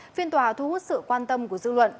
phiên tòa thu hút sự quan tâm của dư luận